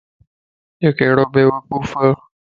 ايو ڪيڙو بيوقوفَ